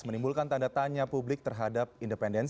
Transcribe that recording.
menimbulkan tanda tanya publik terhadap komisioner kpu berinisial ws